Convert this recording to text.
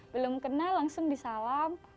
belum kenal langsung disalam